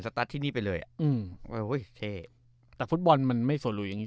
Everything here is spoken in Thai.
ตัสที่นี่ไปเลยอ่ะอืมโอ้ยเท่แต่ฟุตบอลมันไม่โสลุยอย่างงี